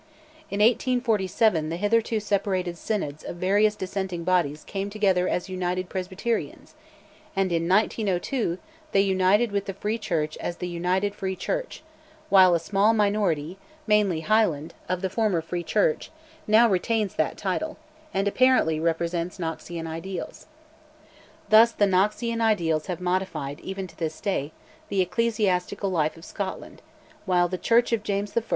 In 1847 the hitherto separated synods of various dissenting bodies came together as United Presbyterians, and in 1902 they united with the Free Church as "the United Free Church," while a small minority, mainly Highland, of the former Free Church, now retains that title, and apparently represents Knoxian ideals. Thus the Knoxian ideals have modified, even to this day, the ecclesiastical life of Scotland, while the Church of James I.